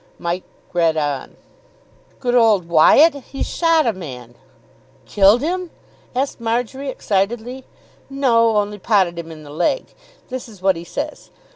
Mike read on. "Good old Wyatt! He's shot a man." "Killed him?" asked Marjory excitedly. "No. Only potted him in the leg. This is what he says.